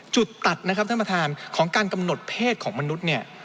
จุดตัดนะครับท่านประธานของการกำหนดเพศของมนุษย์เนี่ย